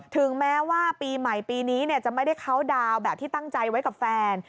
ถึงแม้ว่าปีใหม่ปีนี้จะไม่ได้เข้าดาวน์แบบที่ตั้งใจไว้กับแฟน